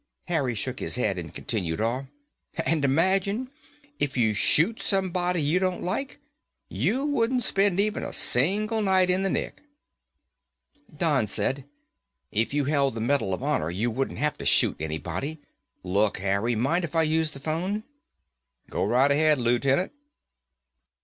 Harry shook his head in continued awe. "And, imagine, if you shoot somebody you don't like, you wouldn't spend even a single night in the Nick." Don said, "If you held the Medal of Honor, you wouldn't have to shoot anybody. Look, Harry, mind if I use the phone?" "Go right ahead, Lootenant."